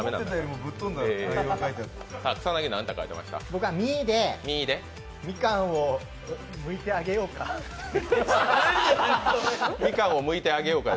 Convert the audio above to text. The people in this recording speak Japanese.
僕は「み」で、「みかんをむいてあげようか」